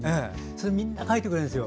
それでみんな書いてくれるんです。